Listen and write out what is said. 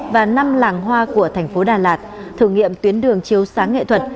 và năm làng hoa của thành phố đà lạt thử nghiệm tuyến đường chiếu sáng nghệ thuật